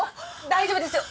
大丈夫ですよ。